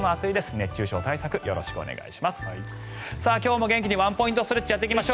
熱中症対策よろしくお願いします。